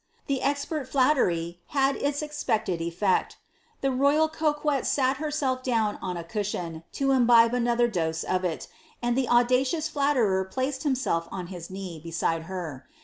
'" This expert flattery had its expecied effect. Th royal coquette sat herself down low on a cushion, to imbibe anoihe dose of it, and the audacious fiatiercr placed himself on his knee besid her.